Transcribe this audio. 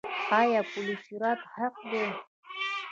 آیا پل صراط حق دی؟